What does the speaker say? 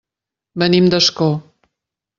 Venim d'Ascó.